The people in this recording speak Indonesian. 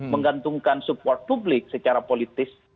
menggantungkan support publik secara politis